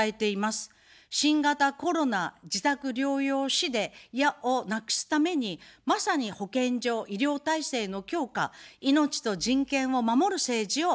新型コロナ自宅療養死をなくすために、まさに保健所、医療体制の強化、命と人権を守る政治を目指します。